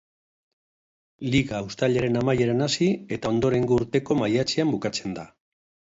Liga uztailaren amaieran hasi eta ondorengo urteko maiatzean bukatzen da.